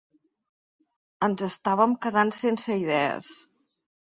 Ens estàvem quedant sense idees.